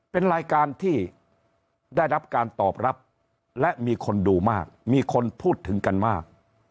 เป็นรายการที่ได้รับการตอบรับและมีคนดูมากมีคนพูดถึงกันมาก